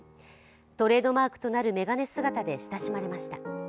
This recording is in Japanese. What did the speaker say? トレードマークとなる眼鏡姿で親しまれました。